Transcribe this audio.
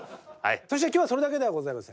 そして今日はそれだけではございません。